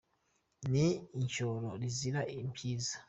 Ni ishyoro rizira impiza